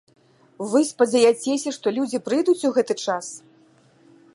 Вы спадзеяцеся, што людзі прыйдуць у гэты час?